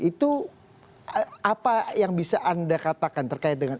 itu apa yang bisa anda katakan terkait dengan